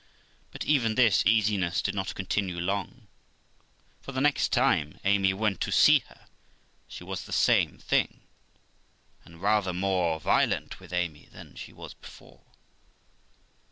But even this easiness did not continue long; for the next time Amy went to see her, she was the same thing, and rather more violent with Amy than she was before.